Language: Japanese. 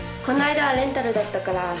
この間はレンタルだったから。